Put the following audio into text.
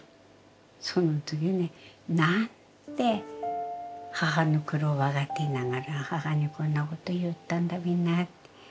その時ねなんて母の苦労を分かっていながら母にこんなこと言ったんだべなって。